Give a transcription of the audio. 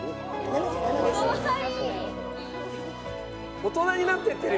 大人になっていってるよね。